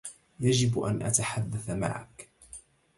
يجب أن أتحدّث معك.